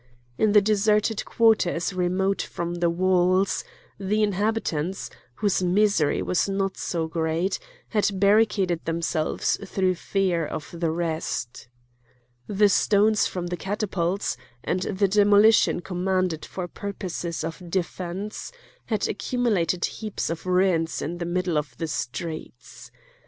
In the deserted quarters remote from the walls, the inhabitants, whose misery was not so great, had barricaded themselves through fear of the rest. The stones from the catapults, and the demolitions commanded for purposes of defence, had accumulated heaps of ruins in the middle of the streets.